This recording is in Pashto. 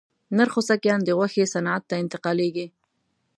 نر خوسکایان د غوښې صنعت ته انتقالېږي.